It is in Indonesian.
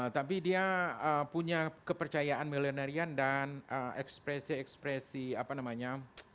tapi dia punya kepercayaan milenarian dan ekspresi ekspresi apa namanya